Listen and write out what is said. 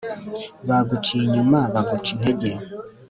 baguciye inyuma baguca intege